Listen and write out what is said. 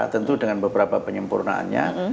tentu dengan beberapa penyempurnaannya